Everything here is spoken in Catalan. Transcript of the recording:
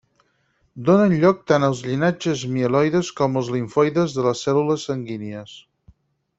Donen lloc tant als llinatges mieloides com els limfoides de les cèl·lules sanguínies.